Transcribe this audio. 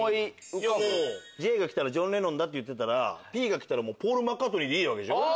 「Ｊ」がきたらジョン・レノンだって言ってたら「Ｐ」がきたらポール・マッカートニーでいい。